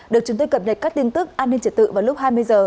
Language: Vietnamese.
được chúng tôi cập nhật các tin tức an ninh trật tự vào lúc hai mươi h